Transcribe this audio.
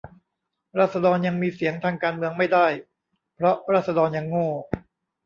ราษฎรยังมีเสียงทางการเมืองไม่ได้ เพราะราษฎรยังโง่